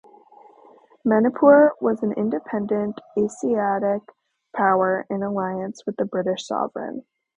Manipur was an independent Asiatic power in alliance with the British Sovereign.